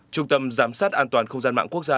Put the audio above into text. trung tâm giám sát an toàn không gian mạng quốc gia